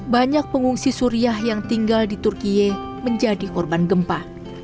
banyak pengungsi suriah yang tinggal di turkiye menjadi korban gempa